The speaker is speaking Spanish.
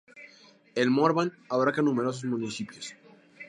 El Morvan abarca numerosos municipios.